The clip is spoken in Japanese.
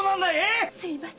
すみません。